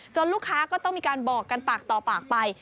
ลูกค้าก็ต้องมีการบอกกันปากต่อปากไป